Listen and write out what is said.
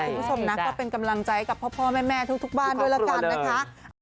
คุณผู้ชมนะก็เป็นกำลังใจกับพ่อแม่ทุกบ้านด้วยละกันนะคะ